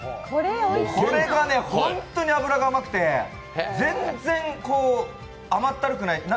これがね、本当に脂がうまくて、全然甘ったるくない。